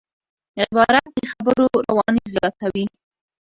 عبارت د خبرو رواني زیاتوي.